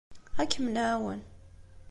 Ad kem-nɛawen.